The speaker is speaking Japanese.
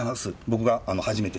僕が初めて。